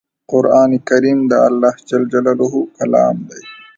قرآن کریم د الله ج کلام دی